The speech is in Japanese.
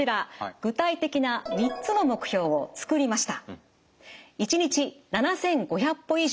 具体的な３つの目標を作りました。